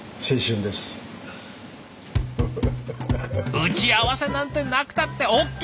打ち合わせなんてなくたってＯＫ！